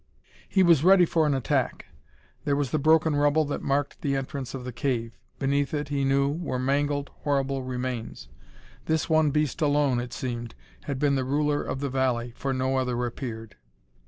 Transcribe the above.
He was ready for an attack. There was the broken rubble that marked the entrance of the cave. Beneath it, he knew, were mangled, horrible remains. This one beast alone, it seemed, had been the ruler of the valley, for no other appeared.